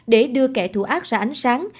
để đưa kẻ thù ác ra ánh sáng